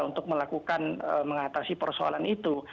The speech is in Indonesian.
untuk melakukan mengatasi persoalan itu